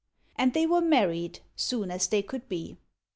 And they were married, soon as they could be.